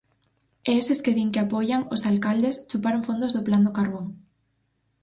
E eses que din que apoian, os alcaldes, chuparon fondos do plan do carbón.